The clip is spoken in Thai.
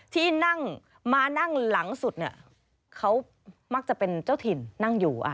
ที่นั่งมานั่งหลังสุดเขามักจะเป็นเจ้าถิ่นนั่งอยู่